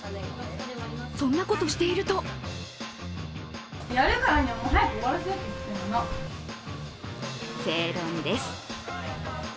そんなことしていると正論です。